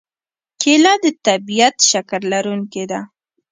کېله د طبیعي شکر لرونکې ده.